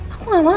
aku gak mau